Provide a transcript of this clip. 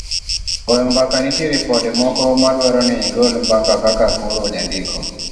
goyo mbaka nitie ripode moko ma dwaro ni igol mbaka kaka koro jandiko